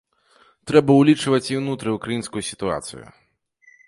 Трэба ўлічваць і ўнутрыўкраінскую сітуацыю.